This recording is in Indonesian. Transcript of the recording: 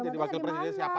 jadi wakil presiden siapapun